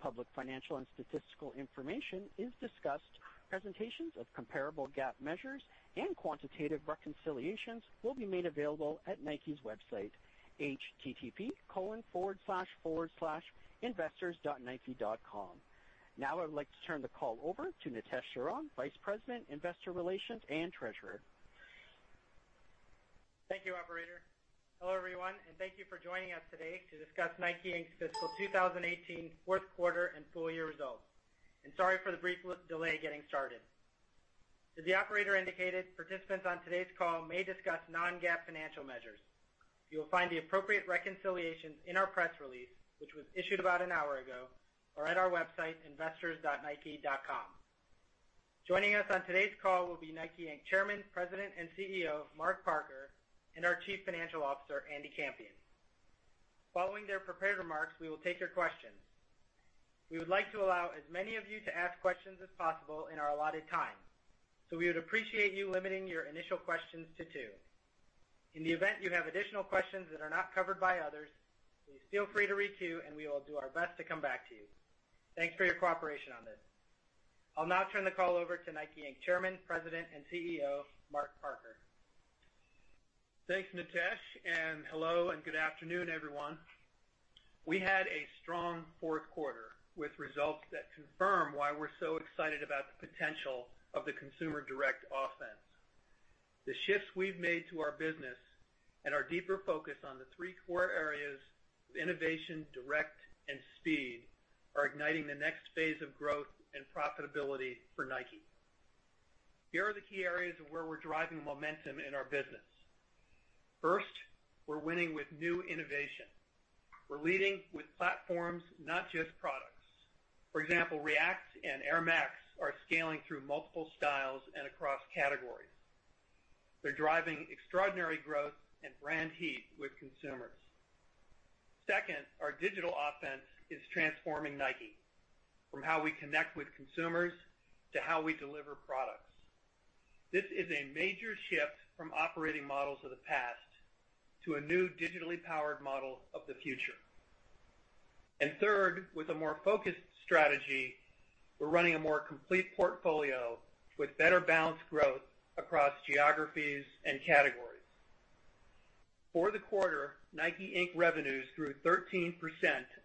Public financial and statistical information is discussed. Presentations of comparable GAAP measures and quantitative reconciliations will be made available at Nike's website, http://investors.nike.com. I would like to turn the call over to Nitesh Sharan, Vice President, Investor Relations and Treasurer. Thank you, operator. Hello, everyone, and thank you for joining us today to discuss NIKE, Inc.'s fiscal 2018 fourth quarter and full-year results. Sorry for the brief delay getting started. As the operator indicated, participants on today's call may discuss non-GAAP financial measures. You will find the appropriate reconciliations in our press release, which was issued about an hour ago, or at our website, investors.nike.com. Joining us on today's call will be NIKE, Inc. Chairman, President, and CEO, Mark Parker, and our Chief Financial Officer, Andy Campion. Following their prepared remarks, we will take your questions. We would like to allow as many of you to ask questions as possible in our allotted time, so we would appreciate you limiting your initial questions to two. In the event you have additional questions that are not covered by others, please feel free to re-queue, and we will do our best to come back to you. Thanks for your cooperation on this. I'll now turn the call over to NIKE, Inc. Chairman, President, and CEO, Mark Parker. Thanks, Nitesh, hello, and good afternoon, everyone. We had a strong fourth quarter with results that confirm why we're so excited about the potential of the Consumer Direct Offense. The shifts we've made to our business and our deeper focus on the three core areas, Innovation, Direct, and Speed, are igniting the next phase of growth and profitability for Nike. Here are the key areas of where we're driving momentum in our business. First, we're winning with new Innovation. We're leading with platforms, not just products. For example, React and Air Max are scaling through multiple styles and across categories. They're driving extraordinary growth and brand heat with consumers. Second, our digital offense is transforming Nike from how we connect with consumers to how we deliver products. This is a major shift from operating models of the past to a new digitally powered model of the future. Third, with a more focused strategy, we're running a more complete portfolio with better balanced growth across geographies and categories. For the quarter, NIKE, Inc. revenues grew 13%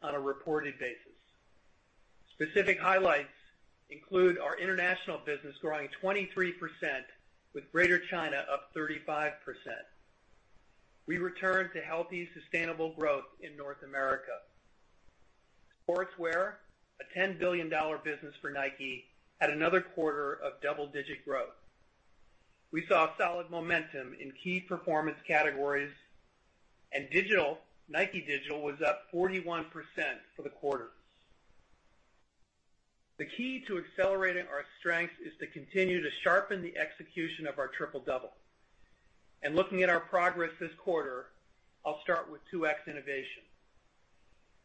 on a reported basis. Specific highlights include our international business growing 23%, with Greater China up 35%. We returned to healthy, sustainable growth in North America. Sportswear, a $10 billion business for Nike, had another quarter of double-digit growth. We saw solid momentum in key performance categories. NIKE Digital was up 41% for the quarter. The key to accelerating our strength is to continue to sharpen the execution of our Triple Double. Looking at our progress this quarter, I'll start with 2X Innovation.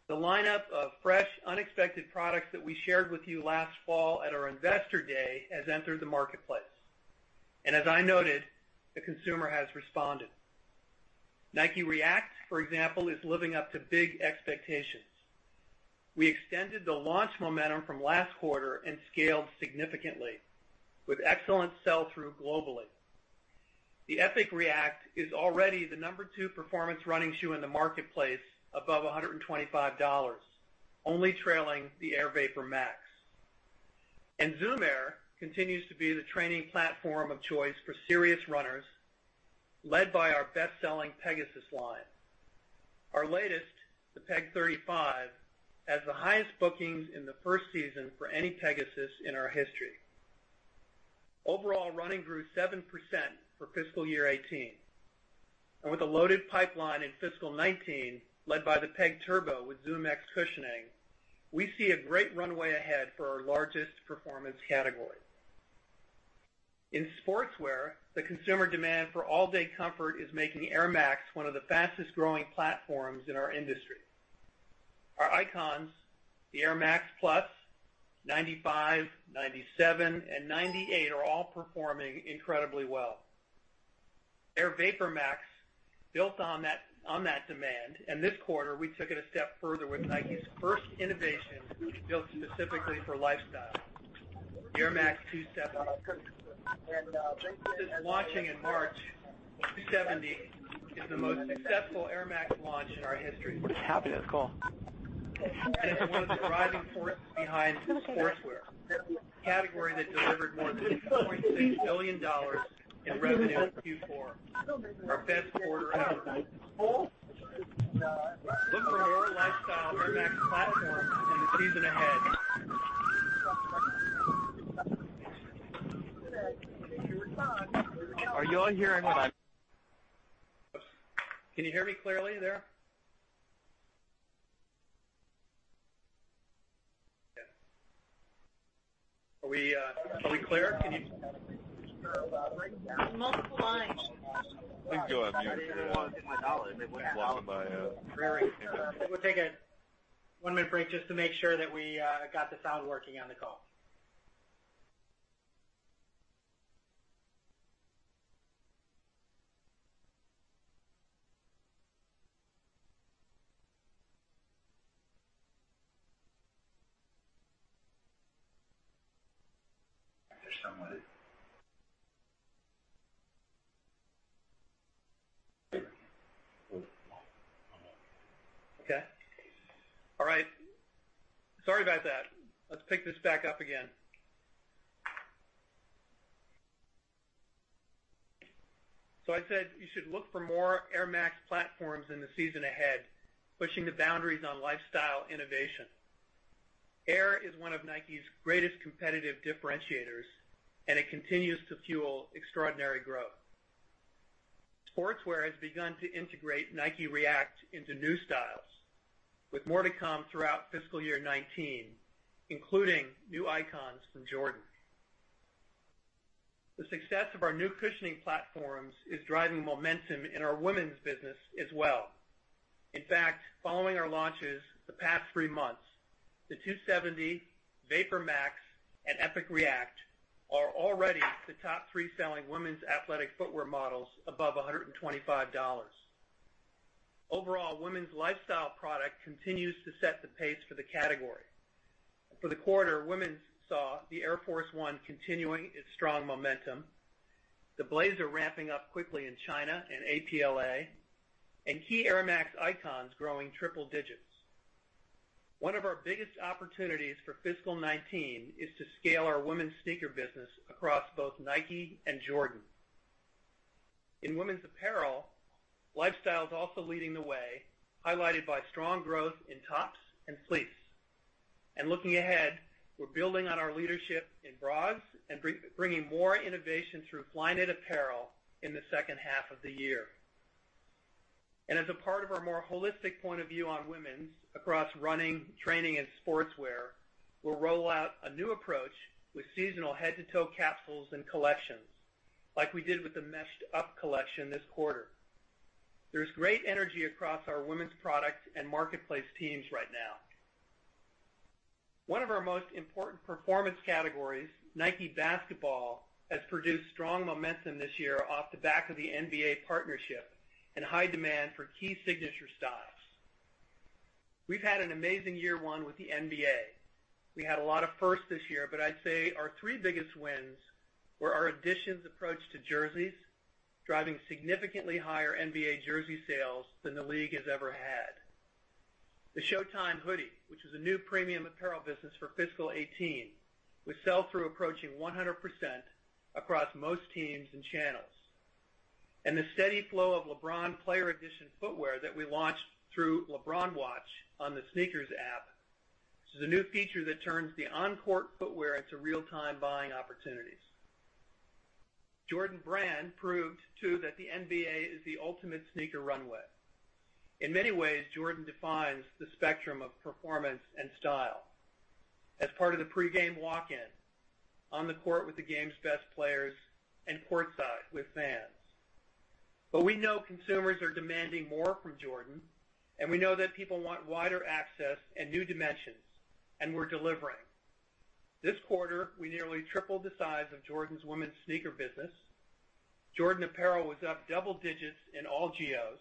The lineup of fresh, unexpected products that we shared with you last fall at our investor day has entered the marketplace. As I noted, the consumer has responded. Nike React, for example, is living up to big expectations. We extended the launch momentum from last quarter and scaled significantly with excellent sell-through globally. The Epic React is already the number 2 performance running shoe in the marketplace above $125, only trailing the Air VaporMax. Zoom Air continues to be the training platform of choice for serious runners, led by our best-selling Pegasus line. Our latest, the Pegasus 35, has the highest bookings in the first season for any Pegasus in our history. Overall, running grew 7% for fiscal year 2018. With a loaded pipeline in fiscal 2019, led by the Pegasus Turbo with ZoomX cushioning, we see a great runway ahead for our largest performance category. In sportswear, the consumer demand for all-day comfort is making Air Max one of the fastest-growing platforms in our industry. Our icons, the Air Max Plus, 95, 97, and 98, are all performing incredibly well. Air VaporMax built on that demand. This quarter, we took it a step further with Nike's first innovation built specifically for lifestyle, Air Max 270. Since launching in March, 270 is the most successful Air Max launch in our history. What is happening in this call? It's one of the driving forces behind sportswear, a category that delivered more than $2.6 billion in revenue in Q4, our best quarter ever. Look for more lifestyle Air Max platforms in the season ahead. Are you all hearing what I'm Can you hear me clearly there? Are we clear? Can you There's multiple lines. I think you're on mute. You're walking by. We'll take a one-minute break just to make sure that we got the sound working on the call. There's somewhat Okay. All right. Sorry about that. Let's pick this back up again. I said you should look for more Air Max platforms in the season ahead, pushing the boundaries on lifestyle innovation. Air is one of Nike's greatest competitive differentiators, and it continues to fuel extraordinary growth. Sportswear has begun to integrate Nike React into new styles, with more to come throughout fiscal year 2019, including new icons from Jordan. The success of our new cushioning platforms is driving momentum in our women's business as well. In fact, following our launches the past three months, the 270, VaporMax, and Epic React are already the top three selling women's athletic footwear models above $125. Overall, women's lifestyle product continues to set the pace for the category. For the quarter, women's saw the Air Force 1 continuing its strong momentum, the Blazer ramping up quickly in China and APLA, and key Air Max icons growing triple digits. One of our biggest opportunities for fiscal 2019 is to scale our women's sneaker business across both Nike and Jordan. In women's apparel, lifestyle is also leading the way, highlighted by strong growth in tops and fleece. Looking ahead, we're building on our leadership in bras and bringing more innovation through Flyknit apparel in the second half of the year. As a part of our more holistic point of view on women's across running, training, and sportswear, we'll roll out a new approach with seasonal head-to-toe capsules and collections, like we did with the Meshed Up collection this quarter. There's great energy across our women's product and marketplace teams right now. One of our most important performance categories, Nike Basketball, has produced strong momentum this year off the back of the NBA partnership and high demand for key signature styles. We've had an amazing year one with the NBA. We had a lot of firsts this year, but I'd say our three biggest wins were our editions approach to jerseys, driving significantly higher NBA jersey sales than the league has ever had. The Showtime hoodie, which was a new premium apparel business for fiscal 2018, with sell-through approaching 100% across most teams and channels. The steady flow of LeBron player edition footwear that we launched through LeBron Watch on the SNKRS app. This is a new feature that turns the on-court footwear into real-time buying opportunities. Jordan Brand proved, too, that the NBA is the ultimate sneaker runway. In many ways, Jordan defines the spectrum of performance and style as part of the pregame walk-in, on the court with the game's best players, and courtside with fans. We know consumers are demanding more from Jordan, we know that people want wider access and new dimensions, we're delivering. This quarter, we nearly tripled the size of Jordan's women's sneaker business. Jordan apparel was up double digits in all geos,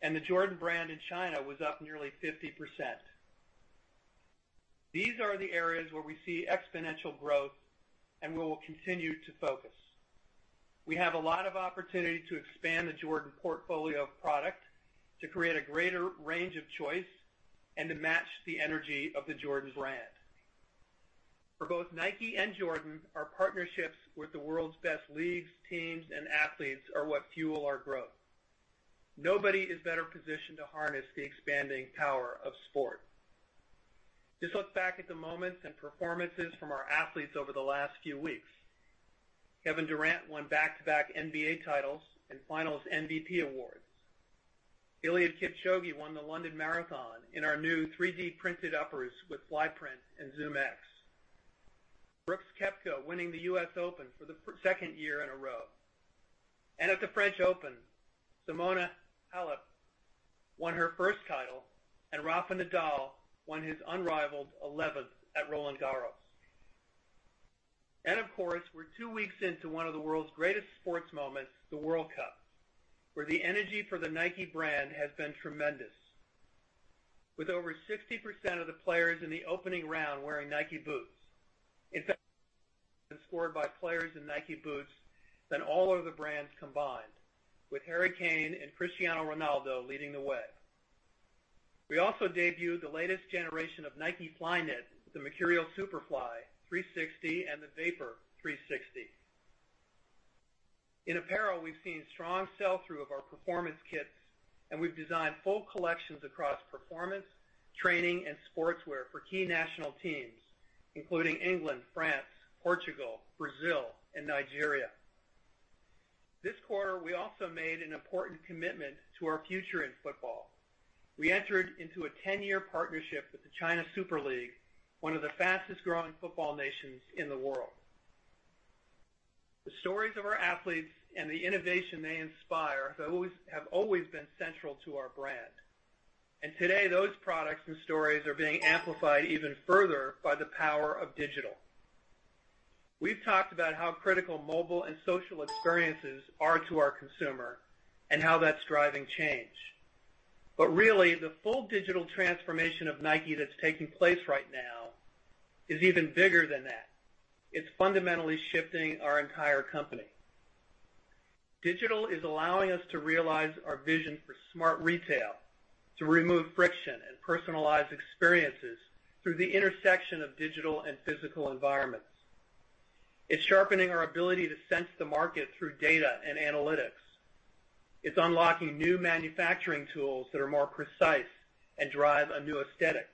the Jordan brand in China was up nearly 50%. These are the areas where we see exponential growth where we'll continue to focus. We have a lot of opportunity to expand the Jordan portfolio of product to create a greater range of choice and to match the energy of the Jordan brand. For both Nike and Jordan, our partnerships with the world's best leagues, teams, and athletes are what fuel our growth. Nobody is better positioned to harness the expanding power of sport. Just look back at the moments and performances from our athletes over the last few weeks. Kevin Durant won back-to-back NBA titles and Finals MVP awards. Eliud Kipchoge won the London Marathon in our new 3D-printed uppers with Flyprint and ZoomX. Brooks Koepka winning the U.S. Open for the second year in a row. At the French Open, Simona Halep won her first title, Rafa Nadal won his unrivaled 11th at Roland-Garros. Of course, we're two weeks into one of the world's greatest sports moments, the World Cup, where the energy for the Nike brand has been tremendous. With over 60% of the players in the opening round wearing Nike boots. In fact, scored by players in Nike boots than all other brands combined, with Harry Kane and Cristiano Ronaldo leading the way. We also debuted the latest generation of Nike Flyknit, the Mercurial Superfly 360 and the Vapor 360. In apparel, we've seen strong sell-through of our performance kits, and we've designed full collections across performance, training, and sportswear for key national teams, including England, France, Portugal, Brazil, and Nigeria. This quarter, we also made an important commitment to our future in football. We entered into a 10-year partnership with the Chinese Super League, one of the fastest-growing football nations in the world. The stories of our athletes and the innovation they inspire have always been central to our brand. Today, those products and stories are being amplified even further by the power of digital. We've talked about how critical mobile and social experiences are to our consumer, and how that's driving change. Really, the full digital transformation of Nike that's taking place right now is even bigger than that. It's fundamentally shifting our entire company. Digital is allowing us to realize our vision for smart retail, to remove friction and personalize experiences through the intersection of digital and physical environments. It's sharpening our ability to sense the market through data and analytics. It's unlocking new manufacturing tools that are more precise and drive a new aesthetic.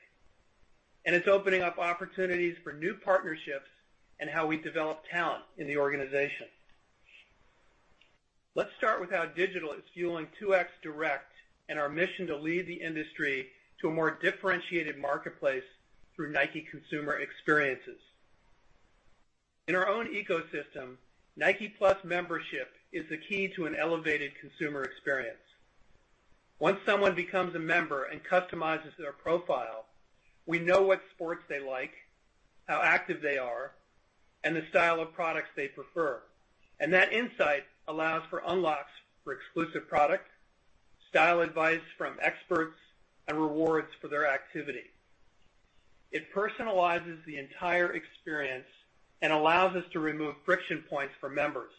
It's opening up opportunities for new partnerships and how we develop talent in the organization. Let's start with how digital is fueling 2X Direct and our mission to lead the industry to a more differentiated marketplace through Nike consumer experiences. In our own ecosystem, NikePlus Membership is the key to an elevated consumer experience. Once someone becomes a member and customizes their profile, we know what sports they like, how active they are, and the style of products they prefer. That insight allows for unlocks for exclusive product, style advice from experts, and rewards for their activity. It personalizes the entire experience and allows us to remove friction points for members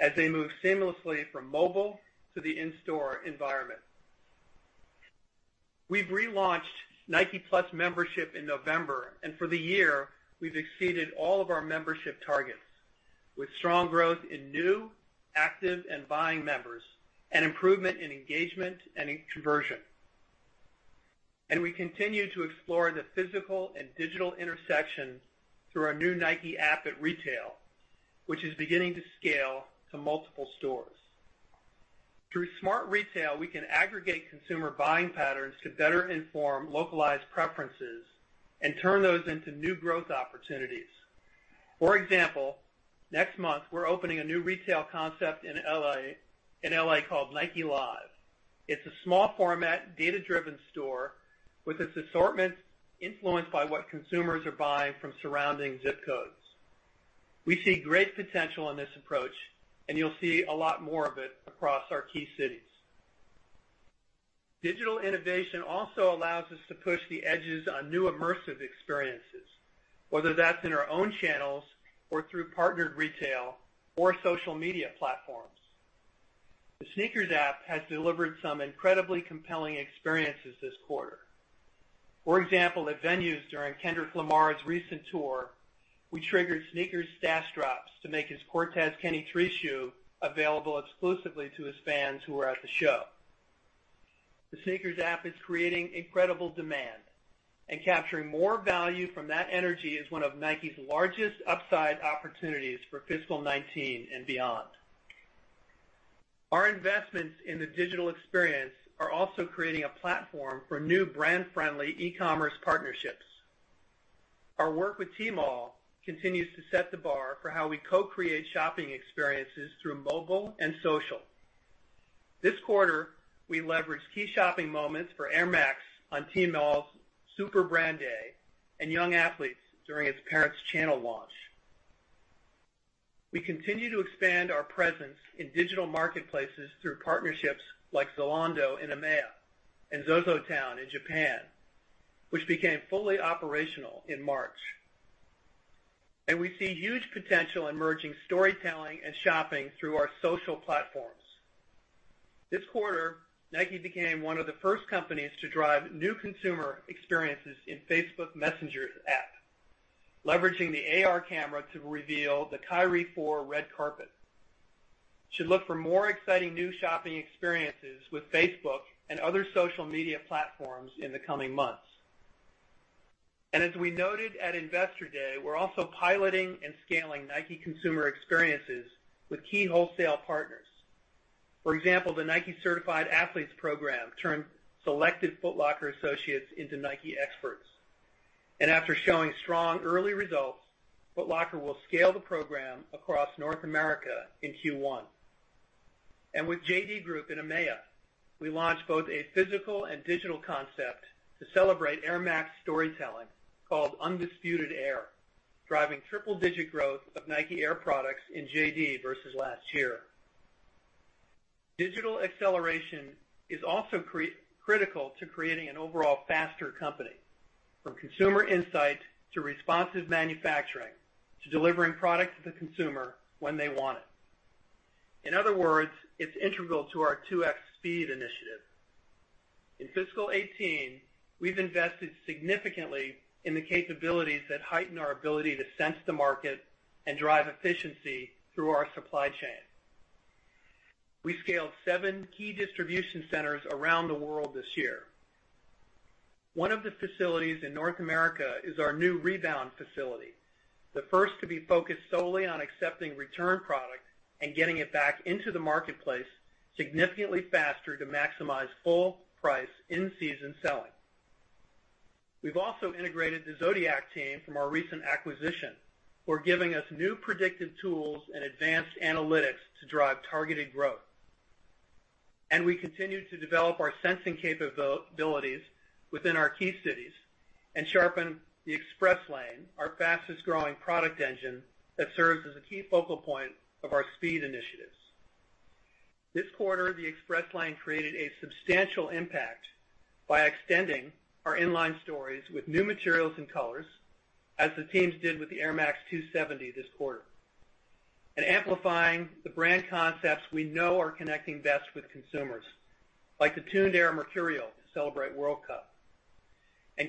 as they move seamlessly from mobile to the in-store environment. We've relaunched NikePlus Membership in November, for the year, we've exceeded all of our membership targets, with strong growth in new, active and buying members, and improvement in engagement and in conversion. We continue to explore the physical and digital intersection through our new Nike App at retail, which is beginning to scale to multiple stores. Through smart retail, we can aggregate consumer buying patterns to better inform localized preferences and turn those into new growth opportunities. For example, next month, we're opening a new retail concept in L.A. called Nike Live. It's a small format, data-driven store with its assortment influenced by what consumers are buying from surrounding zip codes. We see great potential in this approach, you'll see a lot more of it across our key cities. Digital innovation also allows us to push the edges on new immersive experiences, whether that's in our own channels or through partnered retail or social media platforms. The SNKRS app has delivered some incredibly compelling experiences this quarter. For example, at venues during Kendrick Lamar's recent tour, we triggered SNKRS Stash Drops to make his Cortez Kenny III shoe available exclusively to his fans who were at the show. The SNKRS app is creating incredible demand, capturing more value from that energy is one of Nike's largest upside opportunities for fiscal 2019 and beyond. Our investments in the digital experience are also creating a platform for new brand-friendly e-commerce partnerships. Our work with Tmall continues to set the bar for how we co-create shopping experiences through mobile and social. This quarter, we leveraged key shopping moments for Air Max on Tmall's Super Brand Day and young athletes during its parents' channel launch. We continue to expand our presence in digital marketplaces through partnerships like Zalando in EMEA and ZOZOTOWN in Japan, which became fully operational in March. We see huge potential in merging storytelling and shopping through our social platforms. This quarter, Nike became one of the first companies to drive new consumer experiences in Facebook Messenger's app, leveraging the AR camera to reveal the Kyrie 4 Red Carpet. We should look for more exciting new shopping experiences with Facebook and other social media platforms in the coming months. As we noted at Investor Day, we're also piloting and scaling Nike consumer experiences with key wholesale partners. For example, the Nike Certified Athletes program turned selected Foot Locker associates into Nike experts. After showing strong early results, Foot Locker will scale the program across North America in Q1. With JD Sports Fashion in EMEA, we launched both a physical and digital concept to celebrate Air Max storytelling called Undisputed Air, driving triple-digit growth of Nike Air products in JD versus last year. Digital acceleration is also critical to creating an overall faster company, from consumer insight to responsive manufacturing, to delivering product to the consumer when they want it. In other words, it's integral to our 2X Speed initiative. In fiscal 2018, we've invested significantly in the capabilities that heighten our ability to sense the market and drive efficiency through our supply chain. We scaled seven key distribution centers around the world this year. One of the facilities in North America is our new rebound facility, the first to be focused solely on accepting return product and getting it back into the marketplace significantly faster to maximize full price in-season selling. We've also integrated the Zodiac team from our recent acquisition, who are giving us new predictive tools and advanced analytics to drive targeted growth. We continue to develop our sensing capabilities within our key cities and sharpen the Express Lane, our fastest-growing product engine that serves as a key focal point of our speed initiatives. This quarter, the Express Lane created a substantial impact by extending our in-line stories with new materials and colors, as the teams did with the Air Max 270 this quarter. Amplifying the brand concepts we know are connecting best with consumers, like the Mercurial TN to celebrate World Cup.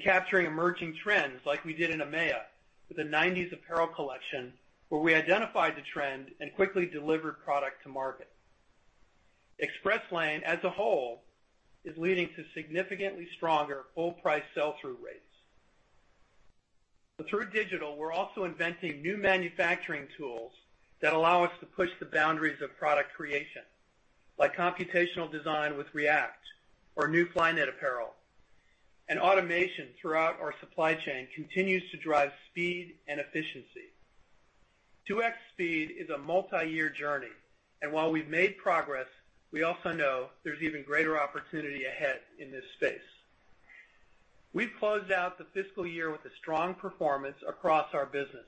Capturing emerging trends like we did in EMEA with the '90s apparel collection, where we identified the trend and quickly delivered product to market. Express Lane, as a whole, is leading to significantly stronger full price sell-through rates. Through digital, we're also inventing new manufacturing tools that allow us to push the boundaries of product creation, like computational design with React or new Flyknit apparel. Automation throughout our supply chain continues to drive speed and efficiency. 2X Speed is a multiyear journey, and while we've made progress, we also know there's even greater opportunity ahead in this space. We closed out the fiscal year with a strong performance across our business.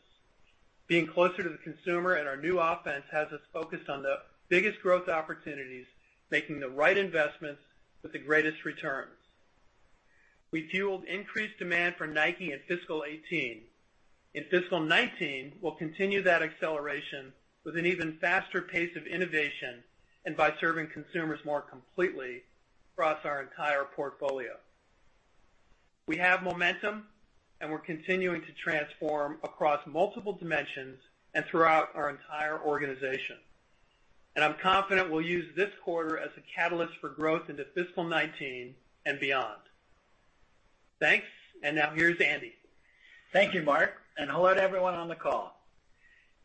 Being closer to the consumer and our new offense has us focused on the biggest growth opportunities, making the right investments with the greatest returns. We fueled increased demand for Nike in fiscal 2018. In FY 2019, we'll continue that acceleration with an even faster pace of innovation and by serving consumers more completely across our entire portfolio. We have momentum, and we're continuing to transform across multiple dimensions and throughout our entire organization. I'm confident we'll use this quarter as a catalyst for growth into FY 2019 and beyond. Thanks. Now, here's Andy. Thank you, Mark, and hello to everyone on the call.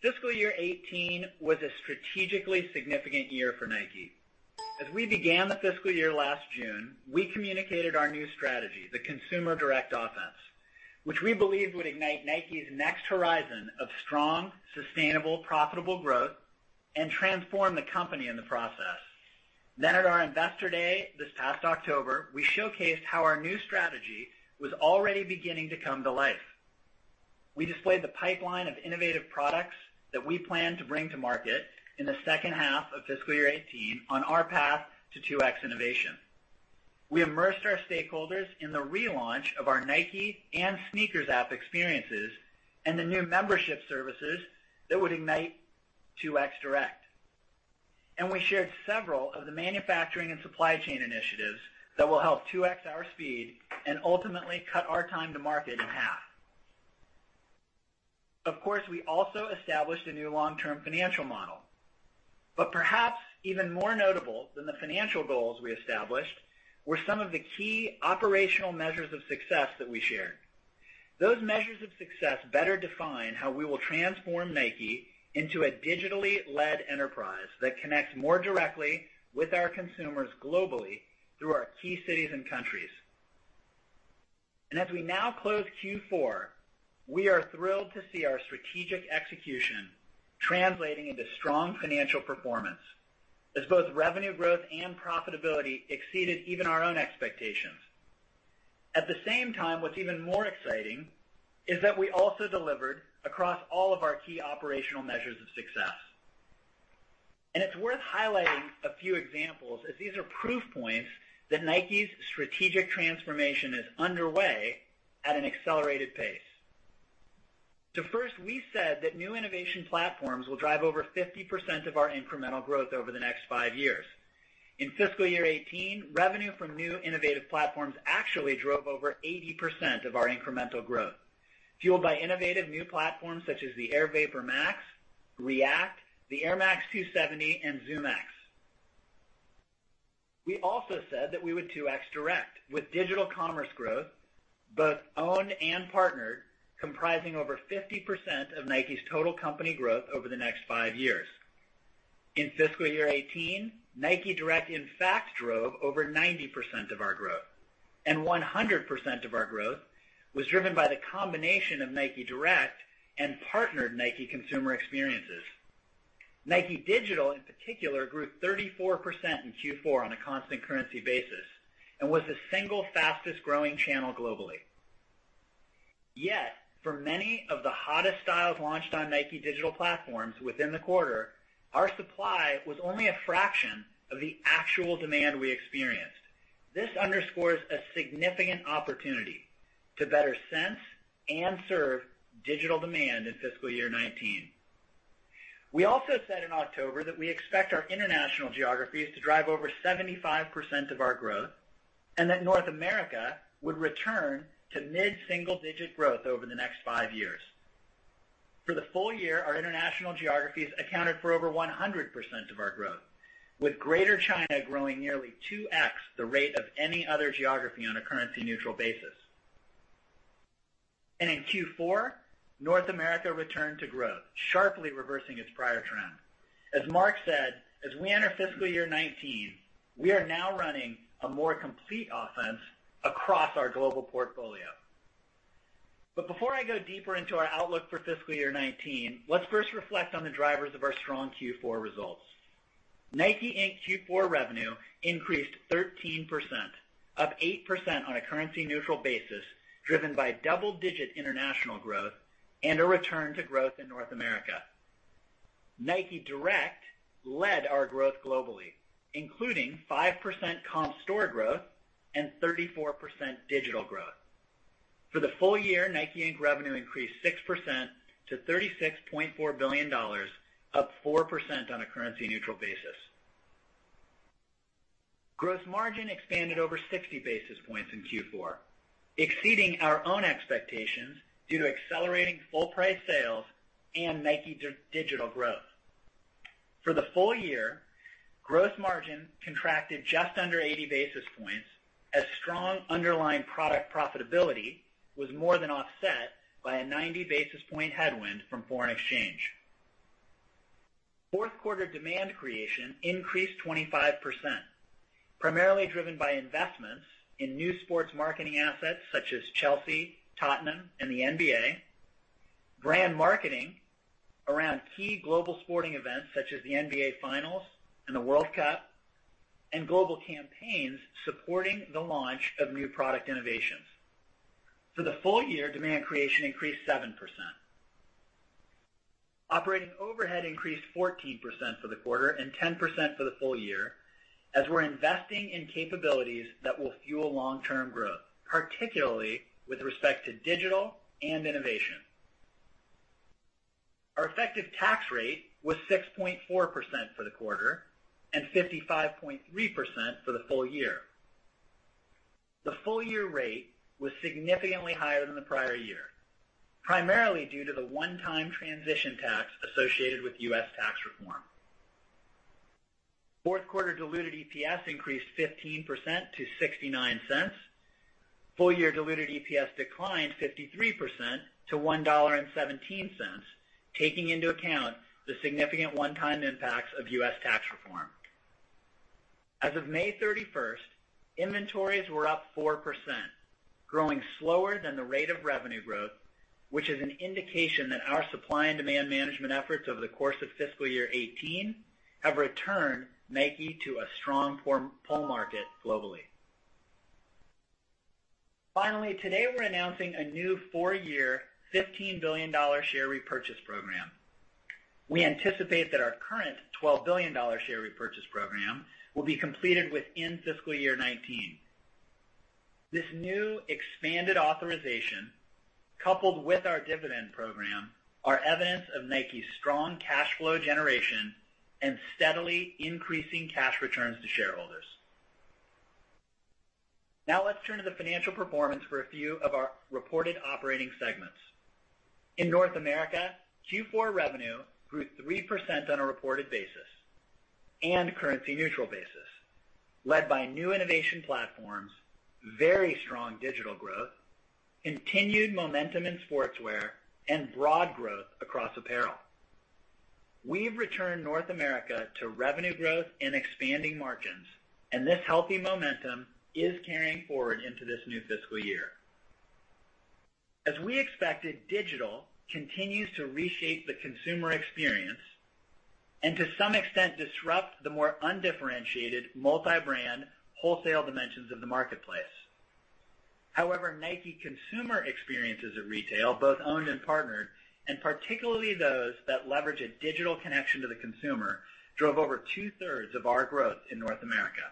FY 2018 was a strategically significant year for Nike. As we began the fiscal year last June, we communicated our new strategy, the Consumer Direct Offense, which we believed would ignite Nike's next horizon of strong, sustainable, profitable growth and transform the company in the process. At our investor day this past October, we showcased how our new strategy was already beginning to come to life. We displayed the pipeline of innovative products that we plan to bring to market in the second half of FY 2018 on our path to 2X Innovation. We immersed our stakeholders in the relaunch of our Nike App and SNKRS app experiences and the new membership services that would ignite 2X Direct. We shared several of the manufacturing and supply chain initiatives that will help 2X our speed and ultimately cut our time to market in half. Of course, we also established a new long-term financial model. Perhaps even more notable than the financial goals we established were some of the key operational measures of success that we shared. Those measures of success better define how we will transform Nike into a digitally led enterprise that connects more directly with our consumers globally through our key cities and countries. As we now close Q4, we are thrilled to see our strategic execution translating into strong financial performance, as both revenue growth and profitability exceeded even our own expectations. At the same time, what's even more exciting is that we also delivered across all of our key operational measures of success. It's worth highlighting a few examples, as these are proof points that Nike's strategic transformation is underway at an accelerated pace. First, we said that new innovation platforms will drive over 50% of our incremental growth over the next five years. In FY 2018, revenue from new innovative platforms actually drove over 80% of our incremental growth, fueled by innovative new platforms such as the Air VaporMax, React, the Air Max 270, and ZoomX. We also said that we would 2X Direct with digital commerce growth, both owned and partnered, comprising over 50% of Nike's total company growth over the next five years. In FY 2018, Nike Direct, in fact, drove over 90% of our growth, and 100% of our growth was driven by the combination of Nike Direct and partnered Nike consumer experiences. NIKE Digital, in particular, grew 34% in Q4 on a constant currency basis and was the single fastest-growing channel globally. Yet, for many of the hottest styles launched on NIKE digital platforms within the quarter, our supply was only a fraction of the actual demand we experienced. This underscores a significant opportunity to better sense and serve digital demand in fiscal year 2019. We also said in October that we expect our international geographies to drive over 75% of our growth and that North America would return to mid-single digit growth over the next five years. For the full year, our international geographies accounted for over 100% of our growth, with Greater China growing nearly 2X the rate of any other geography on a currency-neutral basis. In Q4, North America returned to growth, sharply reversing its prior trend. As Mark said, as we enter fiscal year 2019, we are now running a more complete offense across our global portfolio. Before I go deeper into our outlook for fiscal year 2019, let's first reflect on the drivers of our strong Q4 results. NIKE, Inc. Q4 revenue increased 13%, up 8% on a currency-neutral basis, driven by double-digit international growth and a return to growth in North America. NIKE Direct led our growth globally, including 5% comp store growth and 34% digital growth. For the full year, NIKE, Inc. revenue increased 6% to $36.4 billion, up 4% on a currency-neutral basis. Gross margin expanded over 60 basis points in Q4, exceeding our own expectations due to accelerating full price sales and NIKE digital growth. For the full year, gross margin contracted just under 80 basis points as strong underlying product profitability was more than offset by a 90 basis point headwind from foreign exchange. Fourth quarter demand creation increased 25%, primarily driven by investments in new sports marketing assets such as Chelsea, Tottenham, and the NBA, brand marketing around key global sporting events such as the NBA Finals and the World Cup, and global campaigns supporting the launch of new product innovations. For the full year, demand creation increased 7%. Operating overhead increased 14% for the quarter and 10% for the full year, as we're investing in capabilities that will fuel long-term growth, particularly with respect to digital and innovation. Our effective tax rate was 6.4% for the quarter and 55.3% for the full year. The full-year rate was significantly higher than the prior year, primarily due to the one-time transition tax associated with U.S. tax reform. Fourth quarter diluted EPS increased 15% to $0.69. Full-year diluted EPS declined 53% to $1.17, taking into account the significant one-time impacts of U.S. tax reform. As of May 31st, inventories were up 4%, growing slower than the rate of revenue growth, which is an indication that our supply and demand management efforts over the course of fiscal year 2018 have returned NIKE to a strong pull market globally. Finally, today we're announcing a new four-year, $15 billion share repurchase program. We anticipate that our current $12 billion share repurchase program will be completed within fiscal year 2019. This new expanded authorization, coupled with our dividend program, are evidence of NIKE's strong cash flow generation and steadily increasing cash returns to shareholders. Now let's turn to the financial performance for a few of our reported operating segments. In North America, Q4 revenue grew 3% on a reported basis and currency neutral basis, led by new innovation platforms, very strong digital growth, continued momentum in sportswear, and broad growth across apparel. We've returned North America to revenue growth and expanding margins, and this healthy momentum is carrying forward into this new fiscal year. As we expected, digital continues to reshape the consumer experience and, to some extent, disrupt the more undifferentiated multi-brand wholesale dimensions of the marketplace. However, Nike consumer experiences of retail, both owned and partnered, and particularly those that leverage a digital connection to the consumer, drove over two-thirds of our growth in North America.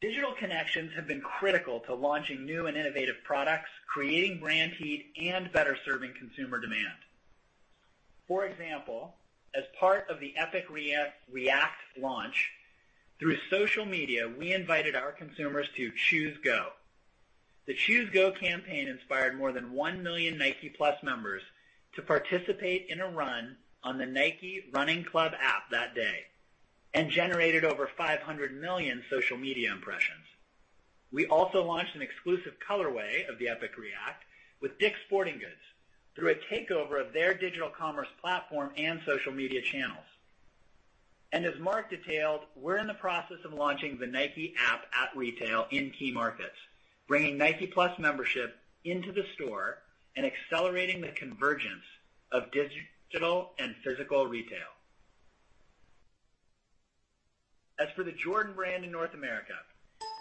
Digital connections have been critical to launching new and innovative products, creating brand heat, and better serving consumer demand. For example, as part of the Epic React launch, through social media, we invited our consumers to Choose Go. The Choose Go campaign inspired more than 1 million NikePlus members to participate in a run on the Nike Run Club app that day and generated over 500 million social media impressions. We also launched an exclusive colorway of the Epic React with DICK'S Sporting Goods through a takeover of their digital commerce platform and social media channels. As Mark detailed, we're in the process of launching the Nike App at retail in key markets, bringing NikePlus Membership into the store and accelerating the convergence of digital and physical retail. As for the Jordan Brand in North America,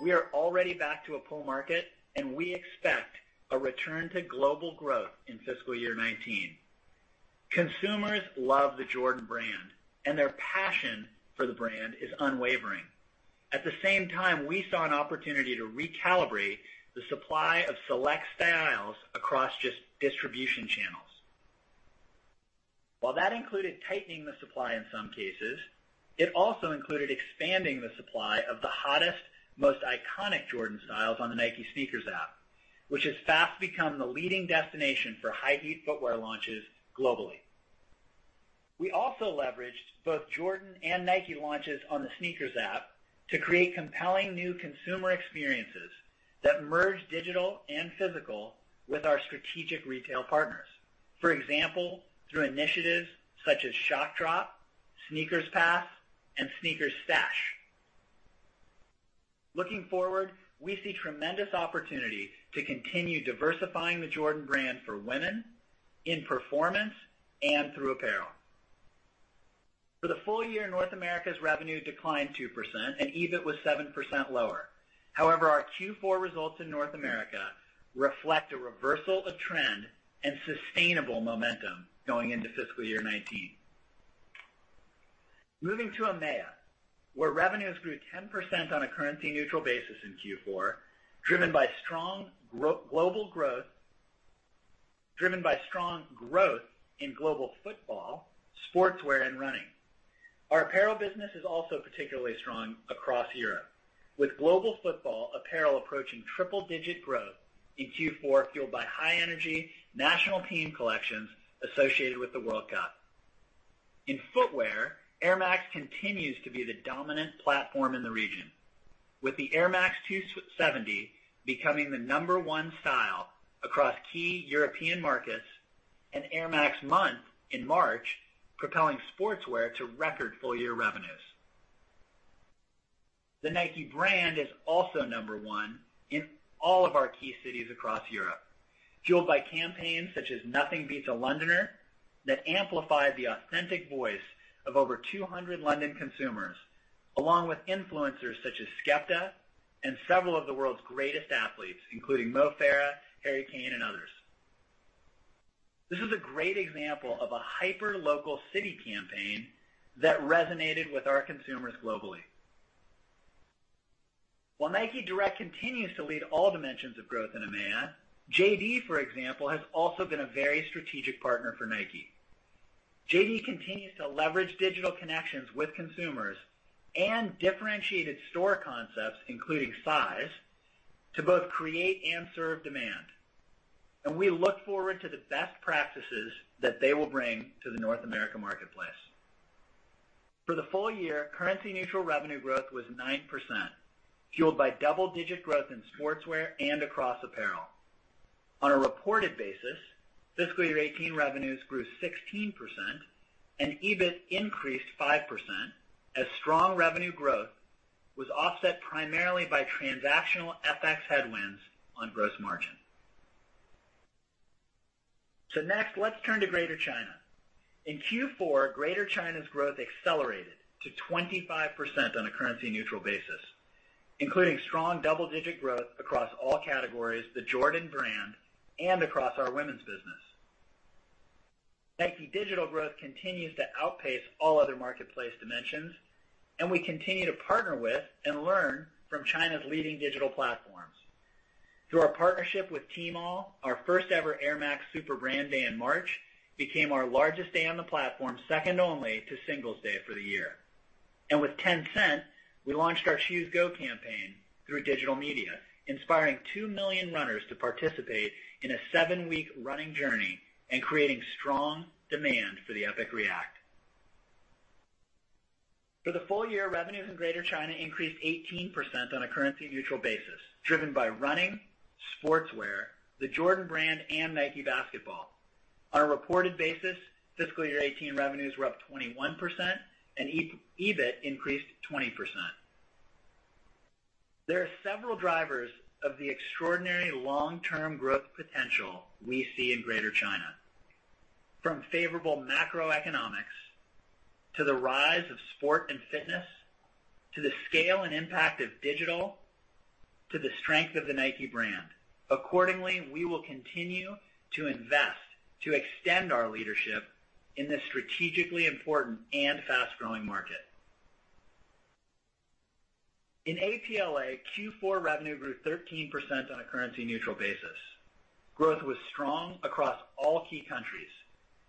we are already back to a pull market, and we expect a return to global growth in fiscal year 2019. Consumers love the Jordan Brand, and their passion for the brand is unwavering. At the same time, we saw an opportunity to recalibrate the supply of select styles across distribution channels. While that included tightening the supply in some cases, it also included expanding the supply of the hottest, most iconic Jordan styles on the Nike SNKRS app, which has fast become the leading destination for high heat footwear launches globally. We also leveraged both Jordan and Nike launches on the SNKRS app to create compelling new consumer experiences that merge digital and physical with our strategic retail partners. For example, through initiatives such as Shock Drop, SNKRS Pass, and SNKRS Stash. Looking forward, we see tremendous opportunity to continue diversifying the Jordan Brand for women in performance and through apparel. For the full year, North America's revenue declined 2% and EBIT was 7% lower. Our Q4 results in North America reflect a reversal of trend and sustainable momentum going into fiscal year 2019. Moving to EMEA, where revenues grew 10% on a currency neutral basis in Q4, driven by strong growth in global football, sportswear, and running. Our apparel business is also particularly strong across Europe, with global football apparel approaching triple-digit growth in Q4, fueled by high energy national team collections associated with the World Cup. In footwear, Air Max continues to be the dominant platform in the region, with the Air Max 270 becoming the number 1 style across key European markets and Air Max Month in March propelling sportswear to record full-year revenues. The Nike brand is also number one in all of our key cities across Europe, fueled by campaigns such as Nothing Beats a Londoner that amplify the authentic voice of over 200 London consumers, along with influencers such as Skepta and several of the world's greatest athletes, including Mo Farah, Harry Kane, and others. This is a great example of a hyper-local city campaign that resonated with our consumers globally. While Nike Direct continues to lead all dimensions of growth in EMEA, JD, for example, has also been a very strategic partner for Nike. JD continues to leverage digital connections with consumers and differentiated store concepts, including Size?, to both create and serve demand. And we look forward to the best practices that they will bring to the North America marketplace. For the full year, currency-neutral revenue growth was 9%, fueled by double-digit growth in sportswear and across apparel. On a reported basis, fiscal year 2018 revenues grew 16% and EBIT increased 5% as strong revenue growth was offset primarily by transactional FX headwinds on gross margin. Next, let's turn to Greater China. In Q4, Greater China's growth accelerated to 25% on a currency-neutral basis, including strong double-digit growth across all categories, the Jordan Brand, and across our women's business. NIKE Digital growth continues to outpace all other marketplace dimensions, and we continue to partner with and learn from China's leading digital platforms. Through our partnership with Tmall, our first ever Air Max Super Brand Day in March became our largest day on the platform, second only to Singles Day for the year. And with Tencent, we launched our Choose Go campaign through digital media, inspiring 2 million runners to participate in a seven-week running journey and creating strong demand for the Epic React. For the full year, revenues in Greater China increased 18% on a currency-neutral basis, driven by running, sportswear, the Jordan Brand, and Nike Basketball. On a reported basis, fiscal year 2018 revenues were up 21% and EBIT increased 20%. There are several drivers of the extraordinary long-term growth potential we see in Greater China, from favorable macroeconomics, to the rise of sport and fitness, to the scale and impact of digital, to the strength of the Nike brand. Accordingly, we will continue to invest to extend our leadership in this strategically important and fast-growing market. In APLA, Q4 revenue grew 13% on a currency-neutral basis. Growth was strong across all key countries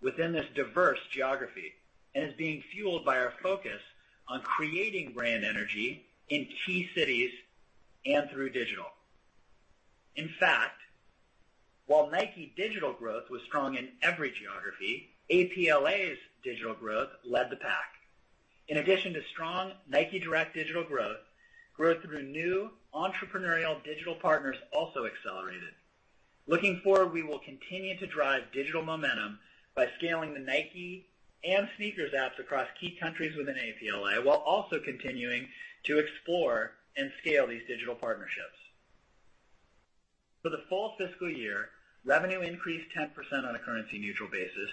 within this diverse geography and is being fueled by our focus on creating brand energy in key cities and through digital. In fact, while NIKE Digital growth was strong in every geography, APLA's digital growth led the pack. In addition to strong Nike Direct digital growth through new entrepreneurial digital partners also accelerated. Looking forward, we will continue to drive digital momentum by scaling the Nike and SNKRS apps across key countries within APLA, while also continuing to explore and scale these digital partnerships. For the full fiscal year, revenue increased 10% on a currency-neutral basis,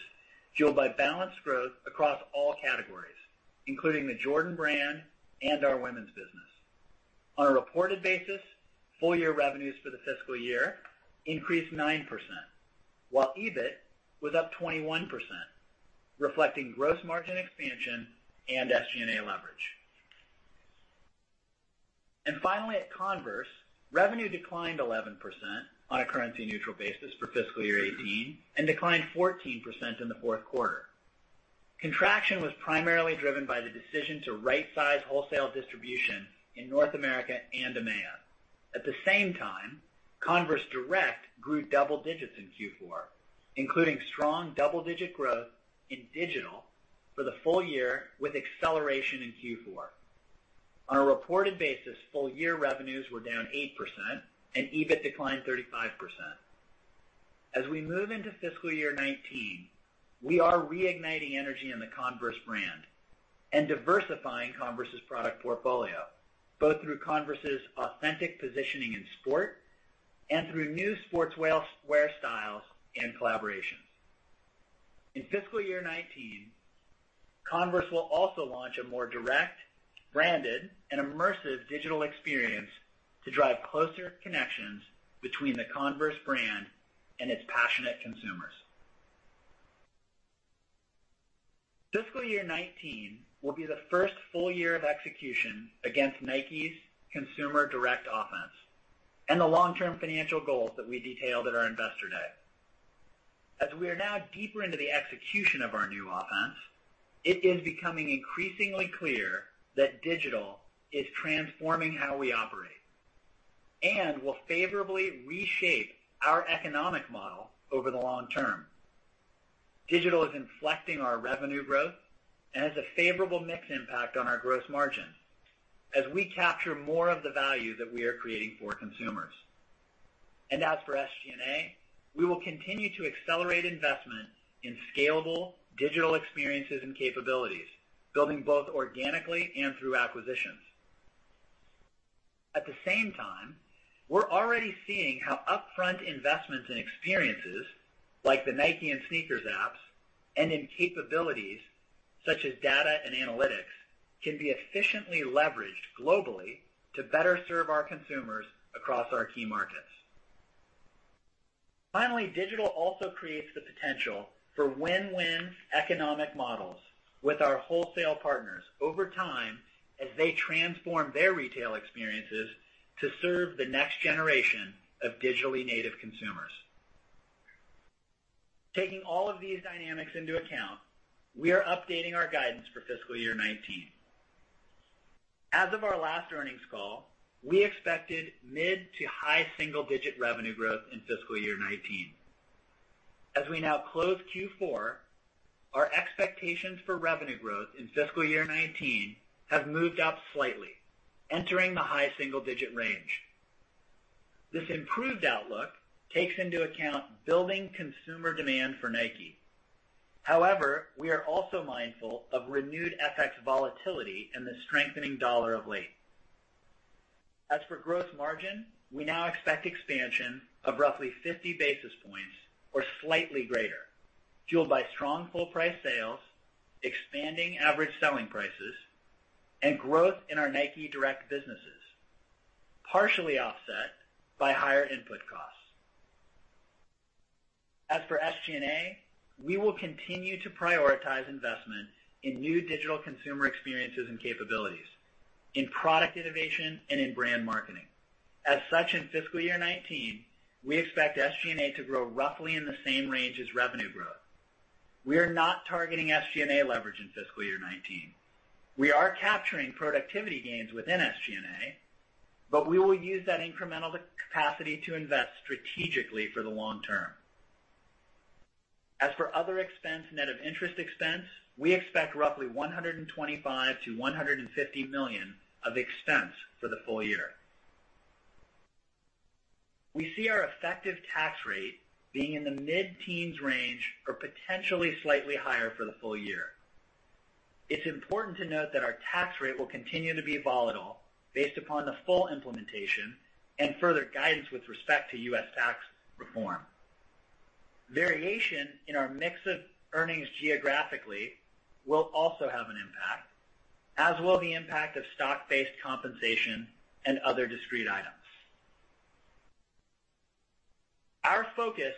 fueled by balanced growth across all categories, including the Jordan Brand and our women's business. On a reported basis, full-year revenues for the fiscal year increased 9%, while EBIT was up 21%, reflecting gross margin expansion and SG&A leverage. And finally, at Converse, revenue declined 11% on a currency-neutral basis for fiscal year 2018 and declined 14% in the fourth quarter. Contraction was primarily driven by the decision to right size wholesale distribution in North America and EMEA. At the same time, Converse Direct grew double digits in Q4, including strong double-digit growth in digital for the full year, with acceleration in Q4. On a reported basis, full-year revenues were down 8% and EBIT declined 35%. As we move into fiscal year 2019, we are reigniting energy in the Converse brand and diversifying Converse's product portfolio, both through Converse's authentic positioning in sport and through new sportswear styles and collaborations. In fiscal year 2019, Converse will also launch a more direct, branded, and immersive digital experience to drive closer connections between the Converse brand and its passionate consumers. Fiscal year 2019 will be the first full year of execution against Nike's Consumer Direct Offense and the long-term financial goals that we detailed at our investor day. As we are now deeper into the execution of our new offense, it is becoming increasingly clear that digital is transforming how we operate and will favorably reshape our economic model over the long term. Digital is inflecting our revenue growth and has a favorable mix impact on our gross margin as we capture more of the value that we are creating for consumers. As for SG&A, we will continue to accelerate investment in scalable digital experiences and capabilities, building both organically and through acquisitions. At the same time, we're already seeing how upfront investments in experiences like the Nike App and SNKRS apps and in capabilities such as data and analytics can be efficiently leveraged globally to better serve our consumers across our key markets. Digital also creates the potential for win-win economic models with our wholesale partners over time as they transform their retail experiences to serve the next generation of digitally native consumers. Taking all of these dynamics into account, we are updating our guidance for fiscal year 2019. Of our last earnings call, we expected mid to high single-digit revenue growth in fiscal year 2019. We now close Q4, our expectations for revenue growth in fiscal year 2019 have moved up slightly, entering the high single-digit range. This improved outlook takes into account building consumer demand for Nike. We are also mindful of renewed FX volatility and the strengthening dollar of late. For gross margin, we now expect expansion of roughly 50 basis points or slightly greater, fueled by strong full price sales, expanding average selling prices, and growth in our Nike Direct businesses, partially offset by higher input costs. For SG&A, we will continue to prioritize investment in new digital consumer experiences and capabilities, in product innovation and in brand marketing. In fiscal year 2019, we expect SG&A to grow roughly in the same range as revenue growth. We are not targeting SG&A leverage in fiscal year 2019. We are capturing productivity gains within SG&A, but we will use that incremental capacity to invest strategically for the long term. For other expense net of interest expense, we expect roughly $125 million-$150 million of expense for the full year. We see our effective tax rate being in the mid-teens range or potentially slightly higher for the full year. It's important to note that our tax rate will continue to be volatile based upon the full implementation and further guidance with respect to U.S. tax reform. Variation in our mix of earnings geographically will also have an impact, as will the impact of stock-based compensation and other discrete items. Our focus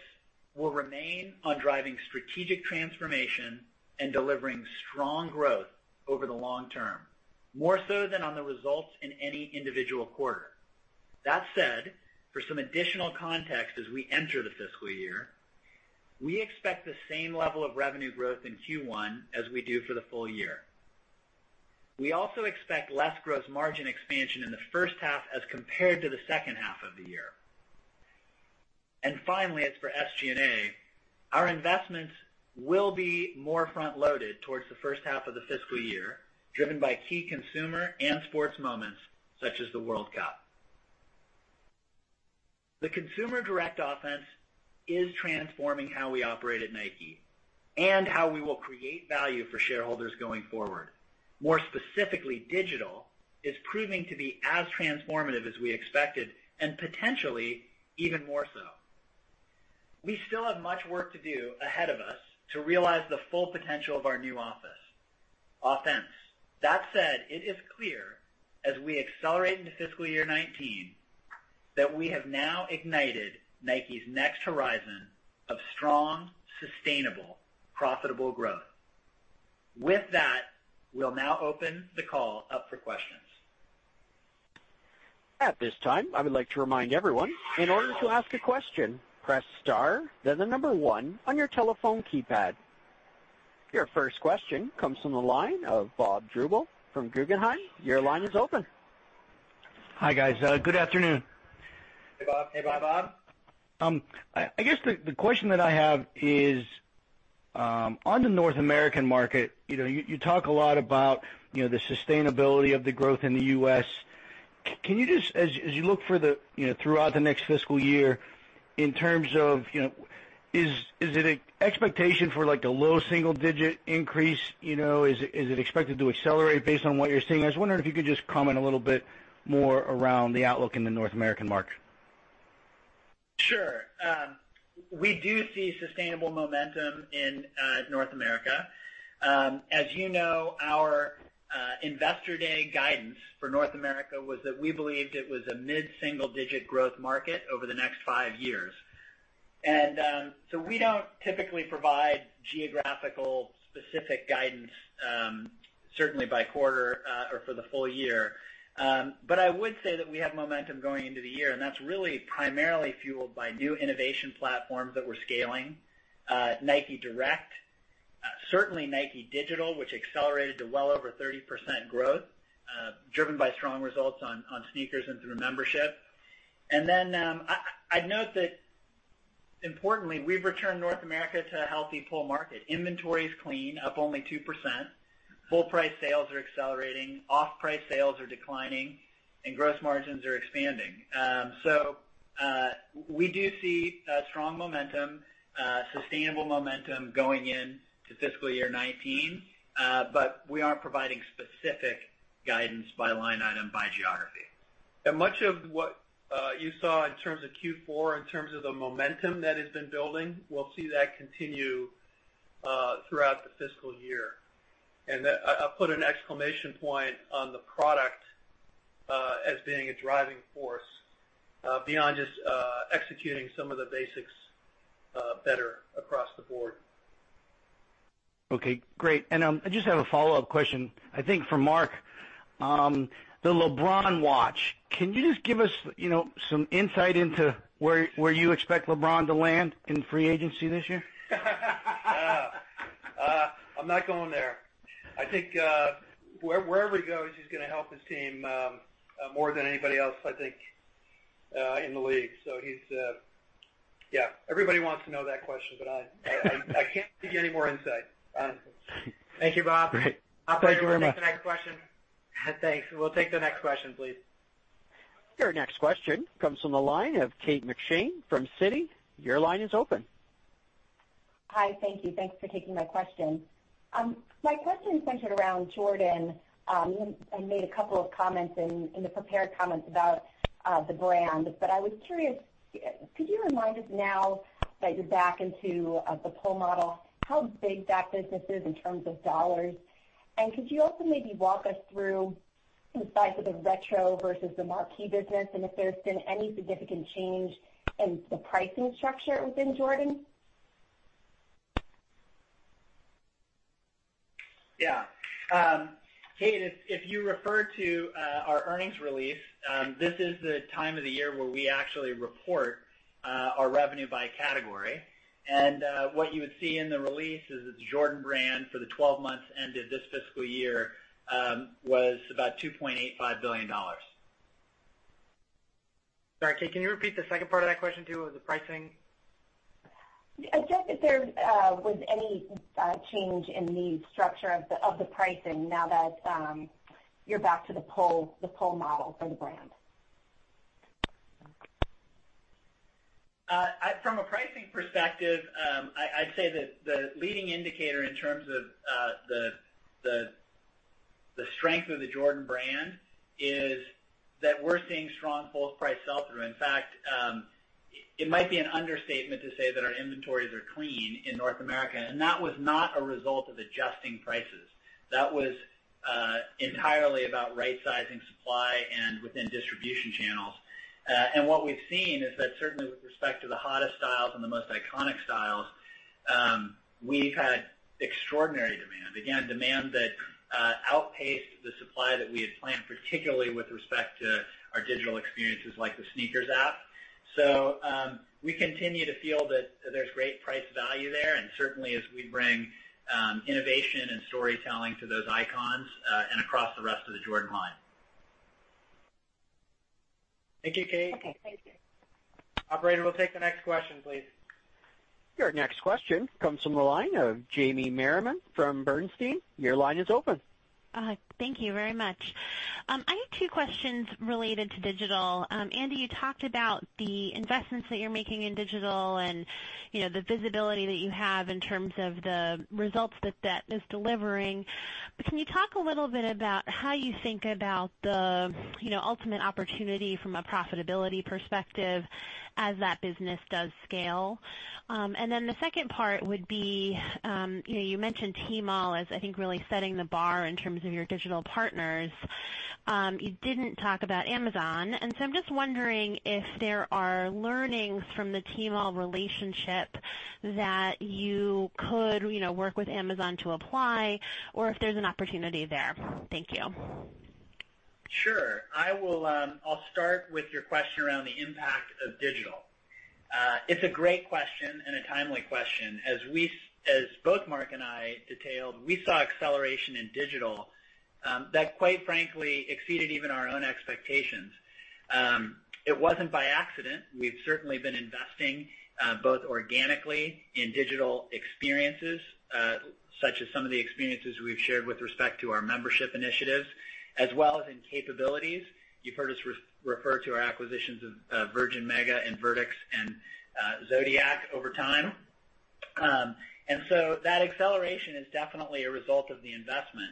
will remain on driving strategic transformation and delivering strong growth over the long term, more so than on the results in any individual quarter. That said, for some additional context as we enter the fiscal year, we expect the same level of revenue growth in Q1 as we do for the full year. We also expect less gross margin expansion in the first half as compared to the second half of the year. Finally, as for SG&A, our investments will be more front-loaded towards the first half of the fiscal year, driven by key consumer and sports moments such as the World Cup. The Consumer Direct Offense is transforming how we operate at Nike and how we will create value for shareholders going forward. More specifically, digital is proving to be as transformative as we expected, and potentially even more so. We still have much work to do ahead of us to realize the full potential of our new offense. That said, it is clear as we accelerate into fiscal year 2019 that we have now ignited Nike's next horizon of strong, sustainable, profitable growth. With that, we'll now open the call up for questions. At this time, I would like to remind everyone, in order to ask a question, press star, then the number one on your telephone keypad. Your first question comes from the line of Robert Drbul from Guggenheim. Your line is open. Hi, guys. Good afternoon. Hey, Bob. Hey, Bob. I guess the question that I have is, on the North American market, you talk a lot about the sustainability of the growth in the U.S. As you look throughout the next fiscal year, in terms of, is it an expectation for a low single-digit increase? Is it expected to accelerate based on what you're seeing? I was wondering if you could just comment a little bit more around the outlook in the North American market. Sure. We do see sustainable momentum in North America. As you know, our Investor Day guidance for North America was that we believed it was a mid-single-digit growth market over the next five years. We don't typically provide geographical specific guidance, certainly by quarter, or for the full year. I would say that we have momentum going into the year, that's really primarily fueled by new innovation platforms that we're scaling. Nike Direct, certainly NIKE Digital, which accelerated to well over 30% growth, driven by strong results on SNKRS and through membership. I'd note that importantly, we've returned North America to a healthy pull market. Inventory is clean, up only 2%. Full price sales are accelerating, off-price sales are declining, and gross margins are expanding. We do see strong momentum, sustainable momentum going into fiscal year 2019. We aren't providing specific guidance by line item, by geography. Much of what you saw in terms of Q4, in terms of the momentum that has been building, we'll see that continue throughout the fiscal year. I'll put an exclamation point on the product as being a driving force beyond just executing some of the basics better across the board. Okay, great. I just have a follow-up question, I think for Mark. The LeBron Watch. Can you just give us some insight into where you expect LeBron to land in free agency this year? I'm not going there. I think wherever he goes, he's going to help his team more than anybody else, I think, in the league. Yeah, everybody wants to know that question, but I can't give you any more insight. Thank you, Bob. Great. Thank you very much. Operator, we'll take the next question. Thanks. We'll take the next question, please. Your next question comes from the line of Kate McShane from Citi. Your line is open. Hi. Thank you. Thanks for taking my question. My question is centered around Jordan. You had made a couple of comments in the prepared comments about the brand, but I was curious, could you remind us now that you're back into the pull model, how big that business is in terms of dollars? Could you also maybe walk us through the size of the retro versus the marquee business, and if there's been any significant change in the pricing structure within Jordan? Yeah. Kate, if you refer to our earnings release, this is the time of the year where we actually report our revenue by category. What you would see in the release is that the Jordan Brand for the 12 months ended this fiscal year, was about $2.85 billion. Sorry, Kate, can you repeat the second part of that question, too, the pricing? Just if there was any change in the structure of the pricing now that you're back to the pull model for the brand. From a pricing perspective, I'd say that the leading indicator in terms of the strength of the Jordan Brand is that we're seeing strong full price sell-through. In fact, it might be an understatement to say that our inventories are clean in North America, and that was not a result of adjusting prices. That was entirely about right-sizing supply and within distribution channels. What we've seen is that certainly with respect to the hottest styles and the most iconic styles, we've had extraordinary demand. Again, demand that outpaced the supply that we had planned, particularly with respect to our digital experiences like the SNKRS app. We continue to feel that there's great price value there, and certainly as we bring innovation and storytelling to those icons, and across the rest of the Jordan line. Thank you, Kate. Okay. Thank you. Operator, we'll take the next question, please. Your next question comes from the line of Jamie Merriman from Bernstein. Your line is open. Hi. Thank you very much. I have two questions related to digital. Andy, you talked about the investments that you're making in digital and the visibility that you have in terms of the results that that is delivering. Can you talk a little bit about how you think about the ultimate opportunity from a profitability perspective as that business does scale? The second part would be, you mentioned Tmall as I think really setting the bar in terms of your digital partners. You didn't talk about Amazon. I'm just wondering if there are learnings from the Tmall relationship that you could work with Amazon to apply or if there's an opportunity there. Thank you. Sure. I'll start with your question around the impact of digital. It's a great question and a timely question. As both Mark and I detailed, we saw acceleration in digital, that quite frankly exceeded even our own expectations. It wasn't by accident. We've certainly been investing, both organically in digital experiences, such as some of the experiences we've shared with respect to our membership initiatives, as well as in capabilities. You've heard us refer to our acquisitions of Virgin Mega and Invertex and Zodiac over time. That acceleration is definitely a result of the investment.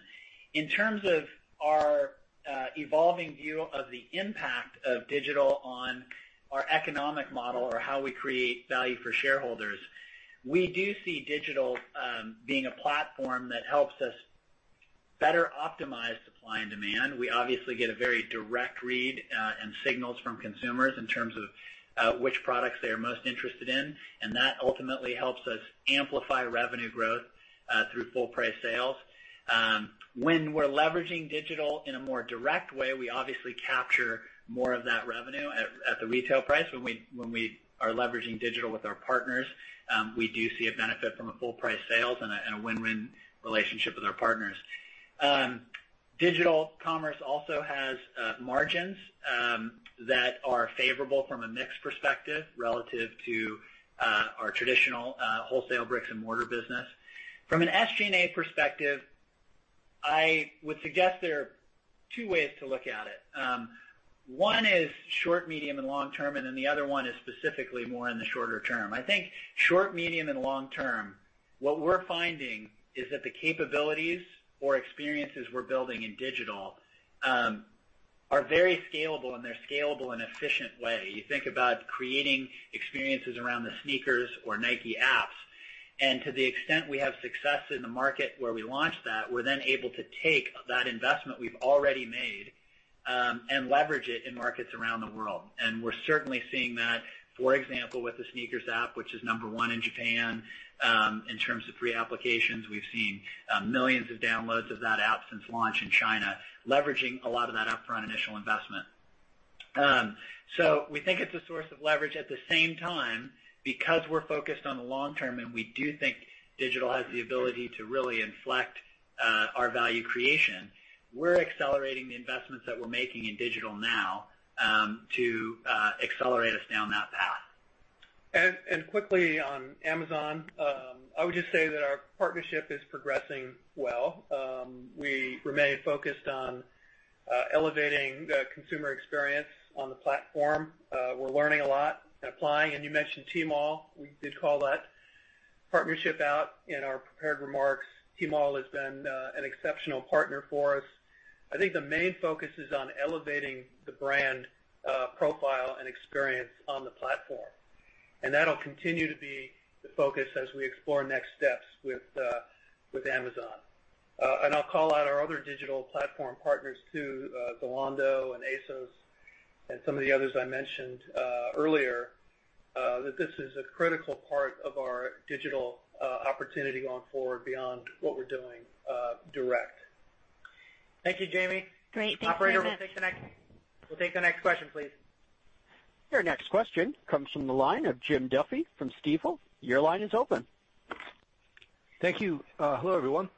In terms of our evolving view of the impact of digital on our economic model or how we create value for shareholders, we do see digital, being a platform that helps us better optimize supply and demand. We obviously get a very direct read, and signals from consumers in terms of which products they are most interested in. That ultimately helps us amplify revenue growth, through full price sales. When we're leveraging digital in a more direct way, we obviously capture more of that revenue at the retail price. When we are leveraging digital with our partners, we do see a benefit from a full price sales and a win-win relationship with our partners. Digital commerce also has margins that are favorable from a mix perspective relative to our traditional wholesale bricks and mortar business. From an SG&A perspective, I would suggest there are two ways to look at it. One is short, medium, and long term, the other one is specifically more in the shorter term. I think short, medium, and long term, what we're finding is that the capabilities or experiences we're building in digital are very scalable, and they're scalable in efficient way. You think about creating experiences around the SNKRS or Nike apps. To the extent we have success in the market where we launch that, we're then able to take that investment we've already made, and leverage it in markets around the world. We're certainly seeing that, for example, with the SNKRS app, which is number 1 in Japan, in terms of free applications. We've seen millions of downloads of that app since launch in China, leveraging a lot of that upfront initial investment. We think it's a source of leverage. At the same time, because we're focused on the long term and we do think digital has the ability to really inflect our value creation, we're accelerating the investments that we're making in digital now to accelerate us down that path. Quickly on Amazon, I would just say that our partnership is progressing well. We remain focused on elevating the consumer experience on the platform. We're learning a lot and applying, and you mentioned Tmall. We did call that partnership out in our prepared remarks. Tmall has been an exceptional partner for us. I think the main focus is on elevating the brand profile and experience on the platform. That'll continue to be the focus as we explore next steps with Amazon. I'll call out our other digital platform partners, too, Zalando and ASOS and some of the others I mentioned earlier, that this is a critical part of our digital opportunity going forward beyond what we're doing direct. Thank you, Jamie. Great. Thanks very much. Operator, we'll take the next question, please. Your next question comes from the line of Jim Duffy from Stifel. Your line is open. Thank you. Hello, everyone.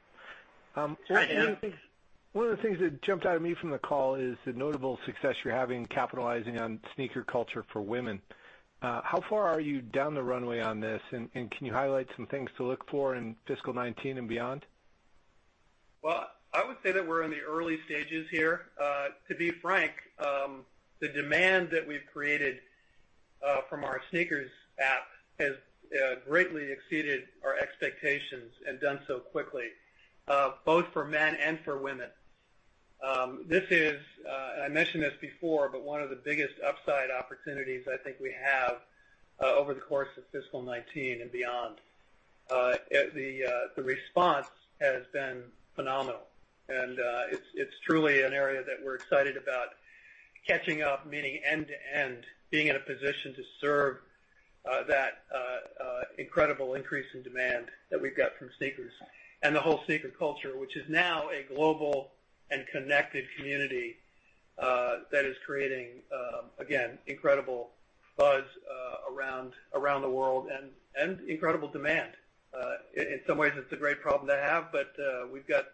Hi, Jim. One of the things that jumped out at me from the call is the notable success you're having capitalizing on sneaker culture for women. How far are you down the runway on this, and can you highlight some things to look for in fiscal 2019 and beyond? Well, I would say that we're in the early stages here. To be frank, the demand that we've created from our SNKRS app has greatly exceeded our expectations and done so quickly, both for men and for women. I mentioned this before. One of the biggest upside opportunities I think we have, over the course of fiscal 2019 and beyond. The response has been phenomenal, and it's truly an area that we're excited about catching up, meaning end-to-end, being in a position to serve that incredible increase in demand that we've got from sneakers and the whole sneaker culture, which is now a global and connected community that is creating, again, incredible buzz around the world and incredible demand. In some ways, it's a great problem to have. We've got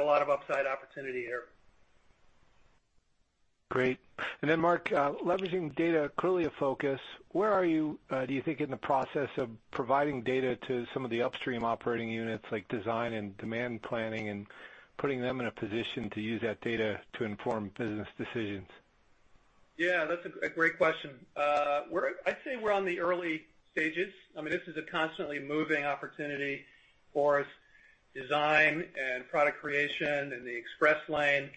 a lot of upside opportunity here. Great. Then Mark, leveraging data clearly a focus. Where are you, do you think, in the process of providing data to some of the upstream operating units, like design and demand planning, and putting them in a position to use that data to inform business decisions? Yeah, that's a great question. I'd say we're on the early stages. This is a constantly moving opportunity for us. Design and product creation and the Express Lane,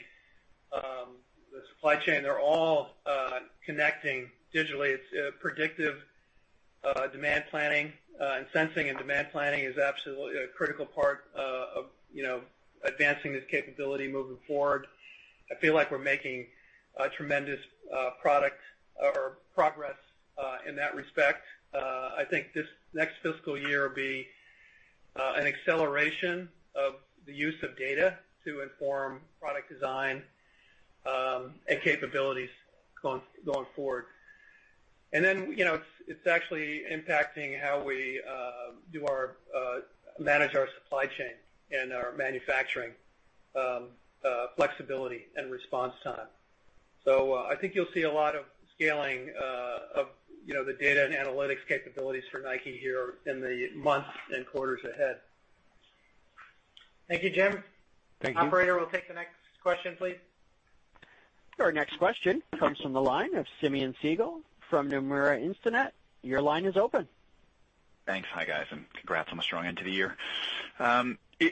the supply chain, they're all connecting digitally. It's predictive demand planning. Sensing and demand planning is absolutely a critical part of advancing this capability moving forward. I feel like we're making a tremendous progress in that respect. I think this next fiscal year will be an acceleration of the use of data to inform product design, and capabilities going forward. It's actually impacting how we manage our supply chain and our manufacturing flexibility and response time. I think you'll see a lot of scaling of the data and analytics capabilities for Nike here in the months and quarters ahead. Thank you, Jim. Thank you. Operator, we'll take the next question, please. Our next question comes from the line of Simeon Siegel from Nomura Instinet. Your line is open. Thanks. Hi, guys, congrats on the strong end to the year.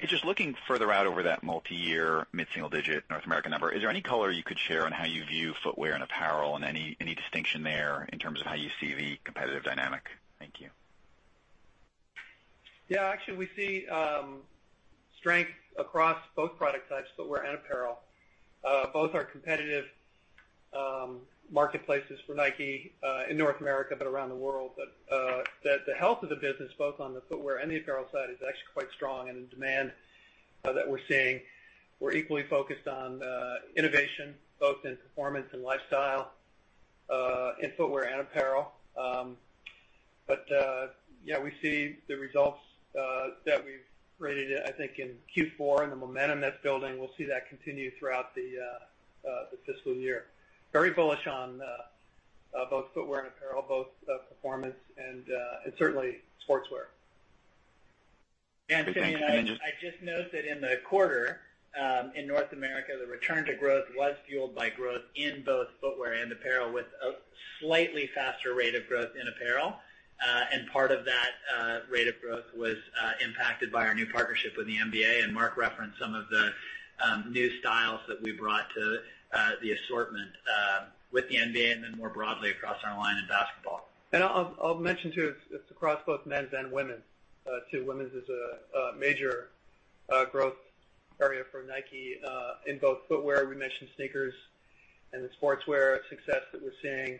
Just looking further out over that multi-year, mid-single-digit North America number, is there any color you could share on how you view footwear and apparel and any distinction there in terms of how you see the competitive dynamic? Thank you. Yeah. Actually, we see strength across both product types, footwear and apparel. Both are competitive marketplaces for Nike, in North America, around the world. The health of the business, both on the footwear and the apparel side, is actually quite strong. The demand that we're seeing, we're equally focused on innovation both in performance and lifestyle, in footwear and apparel. Yeah, we see the results that we've created, I think, in Q4 and the momentum that's building. We'll see that continue throughout the fiscal year. Very bullish on both footwear and apparel, both performance and certainly sportswear. Simeon. Thanks. Thanks, Simeon. I just noted that in the quarter, in North America, the return to growth was fueled by growth in both footwear and apparel, with a slightly faster rate of growth in apparel. Part of that rate of growth was impacted by our new partnership with the NBA, Mark referenced some of the new styles that we brought to the assortment with the NBA and then more broadly across our line in basketball. I'll mention, too, it's across both men's and women's, too. Women's is a major growth area for Nike, in both footwear, we mentioned sneakers, and the sportswear success that we're seeing.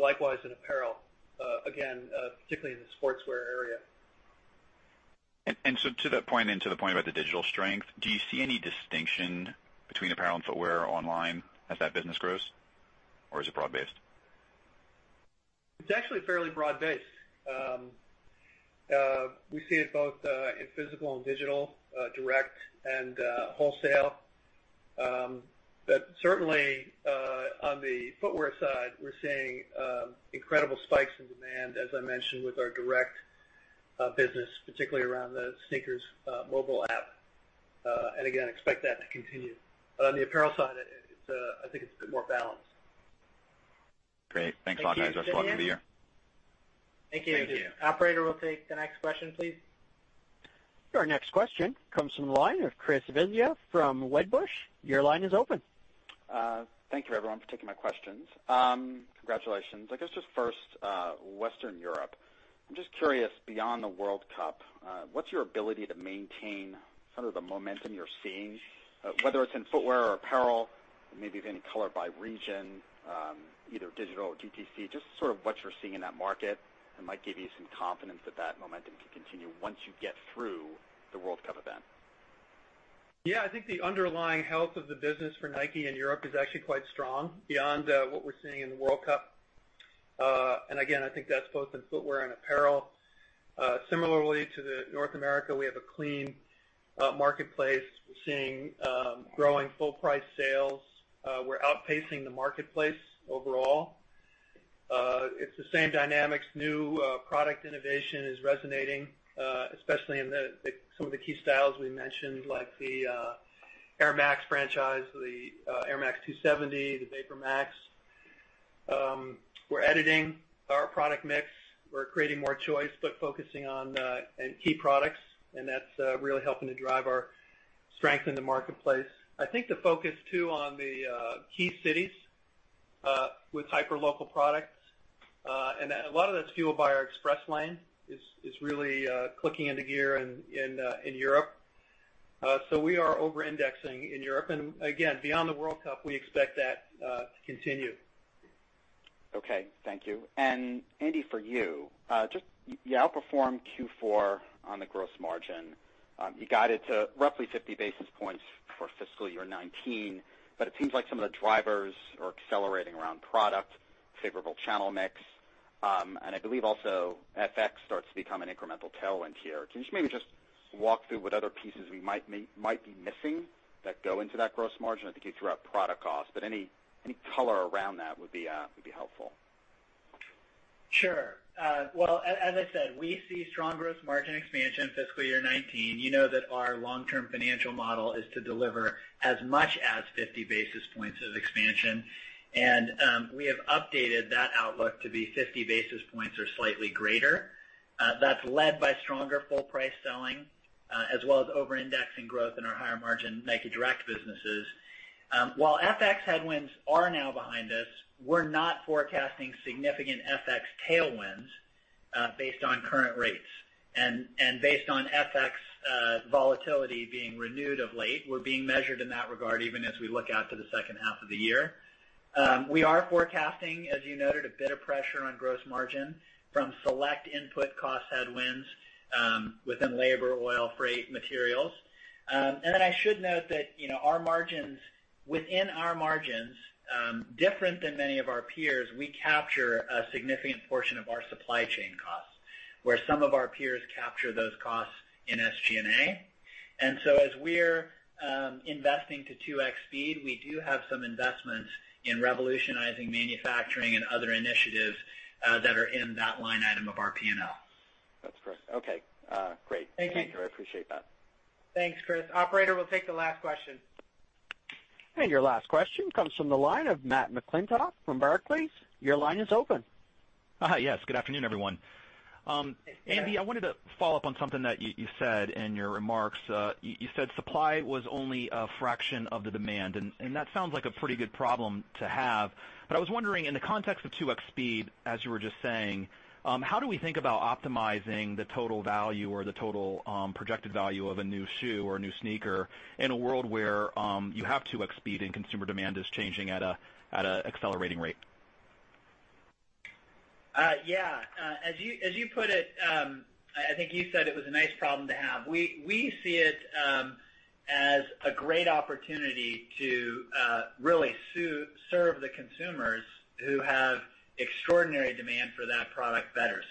Likewise in apparel, again, particularly in the sportswear area. To that point and to the point about the digital strength, do you see any distinction between apparel and footwear online as that business grows, or is it broad based? It's actually fairly broad based. We see it both in physical and digital, direct and wholesale. Certainly, on the footwear side, we're seeing incredible spikes in demand, as I mentioned, with our direct business, particularly around the SNKRS mobile app. Again, expect that to continue. On the apparel side, I think it's a bit more balanced. Great. Thanks a lot, guys. Thank you, Simeon. Thanks a lot for the year. Thank you, Andy. Thank you. Operator, we'll take the next question, please. Our next question comes from the line of Christopher Svezia from Wedbush. Your line is open. Thank you everyone for taking my questions. Congratulations. Just first, Western Europe. I am just curious, beyond the World Cup, what is your ability to maintain some of the momentum you are seeing, whether it is in footwear or apparel, or maybe if any color by region, either digital or DTC, just sort of what you are seeing in that market that might give you some confidence that that momentum can continue once you get through the World Cup event. I think the underlying health of the business for Nike in Europe is actually quite strong beyond what we are seeing in the World Cup. Again, I think that is both in footwear and apparel. Similarly to the North America, we have a clean marketplace. We are seeing growing full price sales. We are outpacing the marketplace overall. It is the same dynamics. New product innovation is resonating, especially in some of the key styles we mentioned, like the Air Max franchise, the Air Max 270, the VaporMax. We are editing our product mix. We are creating more choice, but focusing on key products, and that is really helping to drive our strength in the marketplace. I think the focus, too, on the key cities, with hyper-local products, and a lot of that is fueled by our Express Lane, is really clicking into gear in Europe. We are over-indexing in Europe. Again, beyond the World Cup, we expect that to continue. Thank you. Andy, for you, just, you outperformed Q4 on the gross margin. You guided to roughly 50 basis points for fiscal year 2019. It seems like some of the drivers are accelerating around product, favorable channel mix. I believe also FX starts to become an incremental tailwind here. Can you maybe just walk through what other pieces we might be missing that go into that gross margin? I think you threw out product cost, but any color around that would be helpful. Sure. Well, as I said, we see strong gross margin expansion fiscal year 2019. You know that our long-term financial model is to deliver as much as 50 basis points of expansion. We have updated that outlook to be 50 basis points or slightly greater. That's led by stronger full price selling, as well as over-indexing growth in our higher margin Nike Direct businesses. While FX headwinds are now behind us, we're not forecasting significant FX tailwinds, based on current rates and based on FX volatility being renewed of late. We're being measured in that regard even as we look out to the second half of the year. We are forecasting, as you noted, a bit of pressure on gross margin from select input cost headwinds within labor, oil, freight, materials. I should note that within our margins, different than many of our peers, we capture a significant portion of our supply chain costs, where some of our peers capture those costs in SG&A. As we're investing to 2X Speed, we do have some investments in revolutionizing manufacturing and other initiatives that are in that line item of our P&L. That's great. Okay. Great. Thank you. Thank you. I appreciate that. Thanks, Chris. Operator, we'll take the last question. Your last question comes from the line of Matt McClintock from Barclays. Your line is open. Hi, yes. Good afternoon, everyone. Yes. Andy, I wanted to follow up on something that you said in your remarks. You said supply was only a fraction of the demand, that sounds like a pretty good problem to have. I was wondering, in the context of 2X Speed, as you were just saying, how do we think about optimizing the total value or the total projected value of a new shoe or a new sneaker in a world where you have 2X Speed and consumer demand is changing at an accelerating rate? Yeah. As you put it, I think you said it was a nice problem to have. We see it as a great opportunity to really serve the consumers who have extraordinary demand for that product better.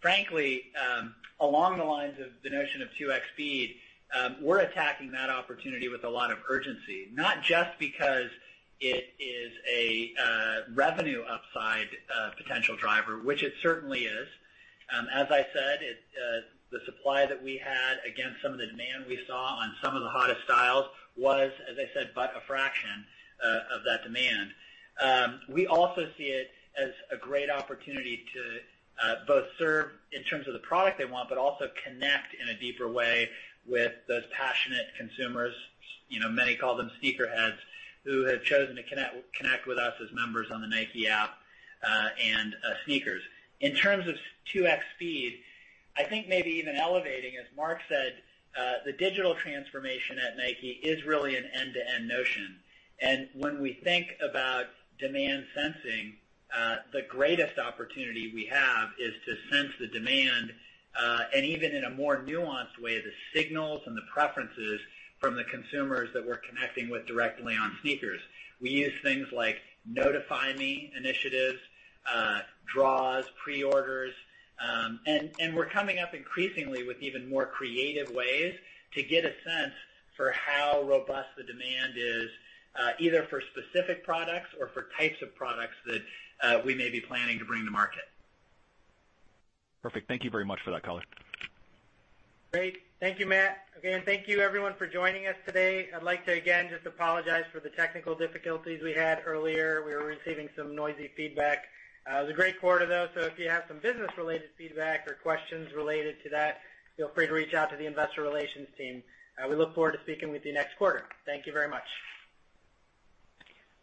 Frankly, along the lines of the notion of 2X Speed, we're attacking that opportunity with a lot of urgency, not just because it is a revenue upside potential driver, which it certainly is. As I said, the supply that we had against some of the demand we saw on some of the hottest styles was, as I said, but a fraction of that demand. We also see it as a great opportunity to both serve in terms of the product they want, but also connect in a deeper way with those passionate consumers, many call them sneakerheads, who have chosen to connect with us as members on the Nike App and SNKRS. In terms of 2X Speed, I think maybe even elevating, as Mark said, the digital transformation at Nike is really an end-to-end notion. When we think about demand sensing, the greatest opportunity we have is to sense the demand, and even in a more nuanced way, the signals and the preferences from the consumers that we're connecting with directly on SNKRS. We use things like Notify Me initiatives, draws, pre-orders. We're coming up increasingly with even more creative ways to get a sense for how robust the demand is, either for specific products or for types of products that we may be planning to bring to market. Perfect. Thank you very much for that color. Great. Thank you, Matt. Again, thank you everyone for joining us today. I'd like to, again, just apologize for the technical difficulties we had earlier. We were receiving some noisy feedback. It was a great quarter, though, so if you have some business-related feedback or questions related to that, feel free to reach out to the investor relations team. We look forward to speaking with you next quarter. Thank you very much.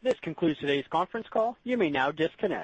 This concludes today's conference call. You may now disconnect.